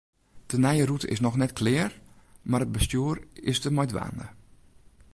De nije rûte is noch net klear, mar it bestjoer is der mei dwaande.